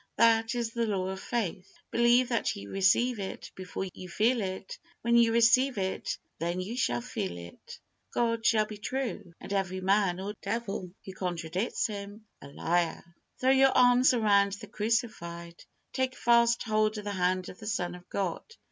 That is the law of faith. Believe that ye receive it before you feel it; when you receive it then you shall feel it. God shall be true, and every man or devil who contradicts Him, a liar. Throw your arms around the Crucified. Take fast hold of the hand of the Son of God.